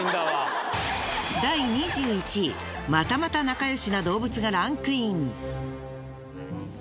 またまた仲良しな動物がランクイン！